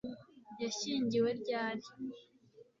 Yashyingiwe ryari